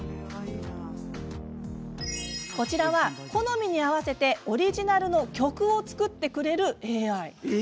こちらは、好みに合わせてオリジナルの曲を作ってくれるＡＩ。